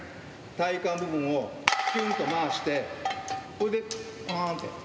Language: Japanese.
体幹部分をきゅんと回して、これでパーンって。